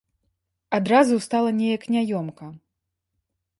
Адразу стала неяк няёмка.